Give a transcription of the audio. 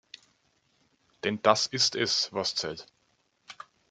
Denn das ist es, was zählt.